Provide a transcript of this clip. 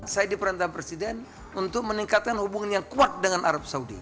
saya diperantah presiden untuk meningkatkan hubungan yang kuat dengan arab saudi